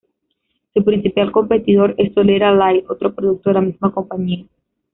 Su principal competidor es Solera Light otro producto de la misma compañía.